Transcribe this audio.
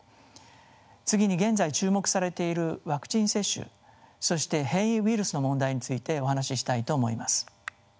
次に現在注目されているワクチン接種そして変異ウイルスの問題についてお話ししたいと思います。